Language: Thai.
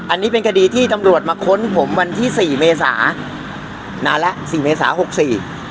อันนี้เป็นคดีที่ตำรวจมาค้นผมวันที่สี่เมษานานแล้วสี่เมษาหกสี่